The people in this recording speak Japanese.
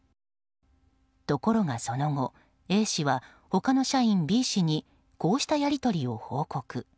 ところが、その後Ａ氏は他の社員Ｂ氏にこうしたやり取りを報告。